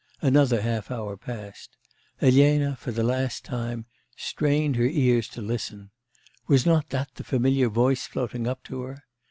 Another half hour passed. Elena, for the last time, strained her ears to listen: was not that the familiar voice floating up to her?